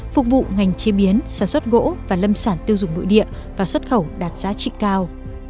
phục vụ ngành chế biến sản xuất gỗ và lâm sản tiêu dùng nội địa và xuất khẩu đạt giá trị cao